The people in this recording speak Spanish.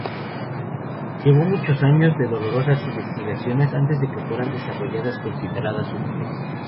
Llevó muchos años de dolorosas investigaciones antes de que fueran desarrollados condensadores útiles.